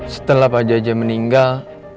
setelah pak jaja meninggal